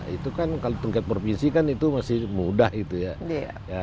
itu kan kalau tingkat provinsi kan itu masih mudah itu ya